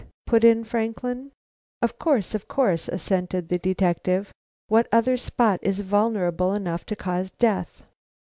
put in Franklin. "Of course, of course," assented the detective; "what other spot is vulnerable enough to cause death?"